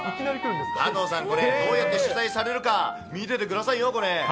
加藤さん、これ、どうやって取材されるか見ててくださいよ、これ。